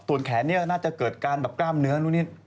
ตรวจแขนน่าจะเกิดการกล้ามเนื้อนู่นนี่